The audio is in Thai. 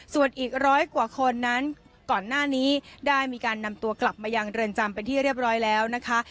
ส่วนอีกร้อยกว่าคนนั้นก่อนหน้านี้ได้มีการนำตัวกลับมายังเรือนจำเป็นที่เรียบร้อยแล้วนะคะ